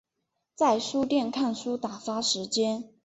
在书店看书打发时间